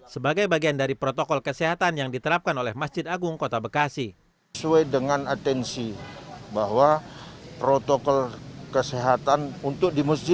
sebagai bagian dari protokol kesehatan yang diterapkan oleh masjid agung kota bekasi